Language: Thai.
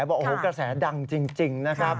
บอกว่ากระแสดังจริงนะครับ